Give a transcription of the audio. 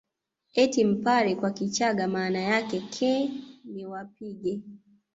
Eti mpare kwa Kichaga maana yake ke ni wapige